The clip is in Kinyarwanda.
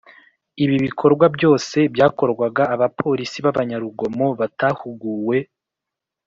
ibi bikorwa byose byakorwaga abapolisi b’abanyarugomo batahuguwe